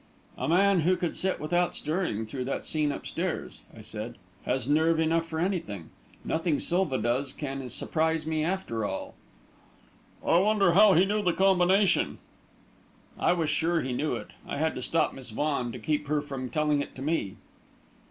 "A man who could sit without stirring through that scene upstairs," I said, "has nerve enough for anything. Nothing Silva does can surprise me after that!" "I wonder how he knew the combination?" "I was sure he knew it. I had to stop Miss Vaughan to keep her from telling it to me."